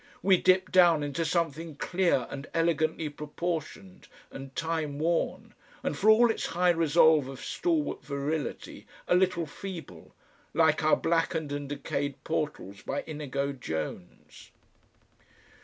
We dipped down into something clear and elegantly proportioned and time worn and for all its high resolve of stalwart virility a little feeble, like our blackened and decayed portals by Inigo Jones.